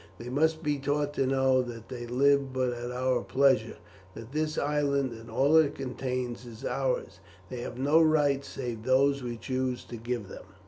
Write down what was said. They must be taught to know that they live but at our pleasure; that this island and all it contains is ours. They have no rights save those we choose to give them."